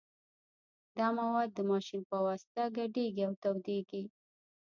دا مواد د ماشین په واسطه ګډیږي او تودیږي